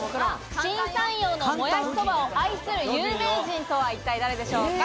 新三陽のもやしそばを愛する有名人とは一体誰でしょうか？